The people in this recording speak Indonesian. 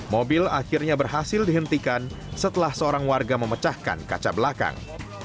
mobil akhirnya berhasil dihentikan setelah seorang warga memecahkan kaca belakang